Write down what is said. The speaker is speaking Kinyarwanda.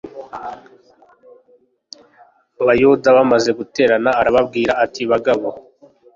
abayuda bamaze guterana arababwira ati bagabo